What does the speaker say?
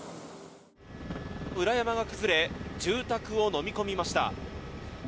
裏山が崩れ住宅をのみ込みました。